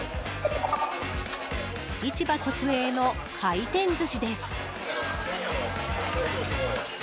市場直営の回転寿司です。